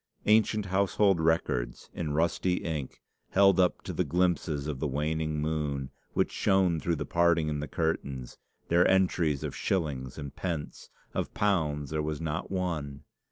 Ancient household records, in rusty ink, held up to the glimpses of the waning moon, which shone through the parting in the curtains, their entries of shillings and pence! Of pounds there was not one.